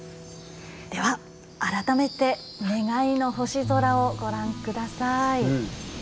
では、改めて願いの星空をご覧ください。